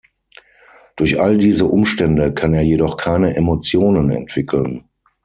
Durch all diese Umstände kann er jedoch keine Emotionen entwickeln.